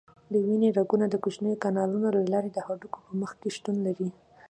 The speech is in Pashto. د وینې رګونه د کوچنیو کانالونو له لارې د هډوکو په مخ شتون لري.